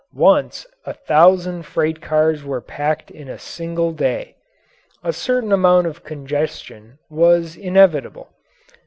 Once a thousand freight cars were packed in a single day. A certain amount of congestion was inevitable.